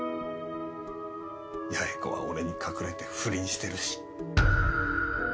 弥栄子は俺に隠れて不倫してるし。